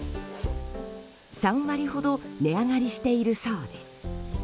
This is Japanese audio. ３割ほど値上がりしているそうです。